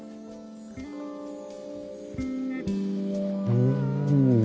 うん。